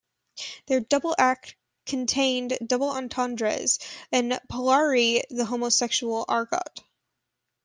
Their double act contained double entendres and Polari, the homosexual argot.